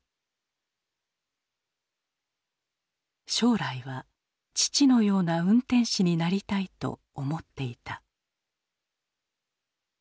将来は父のような運転士になりたいと思っていた。